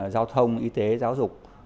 giao thông y tế giáo dục